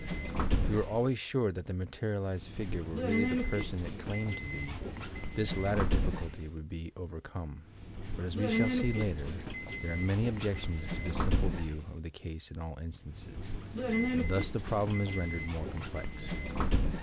If we were always sure that the materialized figure were really the person it claimed to be, this latter diBB eulty would be overcome, but as we shall see later, there are many objections to this simple view of the ca«e in all instances, and thus the problem is rendered more complex.